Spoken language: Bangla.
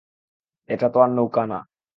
এটা তো আর নৌকা না।